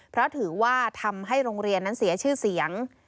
เพราะถือว่าทำให้โรงเรียนนั้นเสียชื่อเสียง